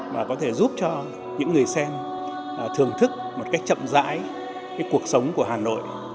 và có thể giúp cho những người xem thưởng thức một cách chậm dãi cuộc sống của hà nội